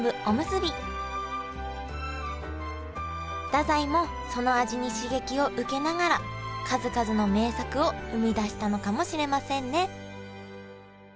おむすび太宰もその味に刺激を受けながら数々の名作を生み出したのかもしれませんね